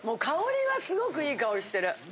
香りはすごくいい香りしてる。